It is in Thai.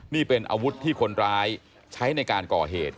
นี่เป็นอาวุธที่คนร้ายใช้ในการก่อเหตุ